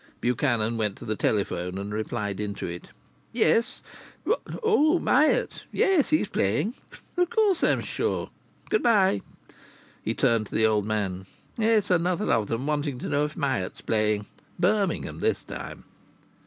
Buchanan went to the telephone and replied into it: "Yes? What? Oh! Myatt? Yes, he's playing.... Of course I'm sure! Good bye." He turned to the old man: "It's another of 'em wanting to know if Myatt is playing. Birmingham, this time."